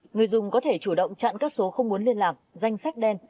người dùng có thể chủ động chặn các số không muốn liên lạc danh sách đen